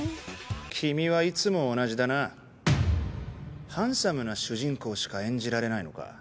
君はいつも同じだなハンサムな主人公しか演じられないのか？